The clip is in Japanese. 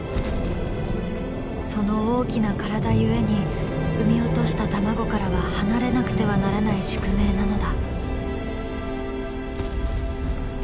その大きな体ゆえに産み落とした卵からは離れなくてはならない宿命なのだ。